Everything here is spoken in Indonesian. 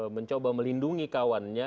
mencoba melindungi kawannya